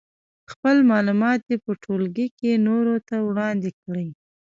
خپل معلومات دې په ټولګي کې نورو ته وړاندې کړي.